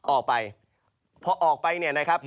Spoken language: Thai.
ออกไปพอออกไปเนี่ยนะครับ